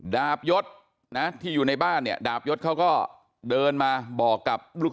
ดาบยศนะที่อยู่ในบ้านเนี่ยดาบยศเขาก็เดินมาบอกกับลูก